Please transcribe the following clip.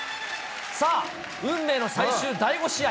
さあ、運命の最終第５試合。